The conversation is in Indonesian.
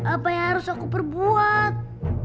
apa yang harus aku perbuat